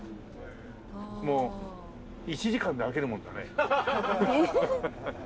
もう１時間で飽きるもんだね。